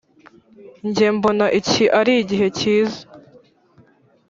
Nge mbona iki ari igihe kiza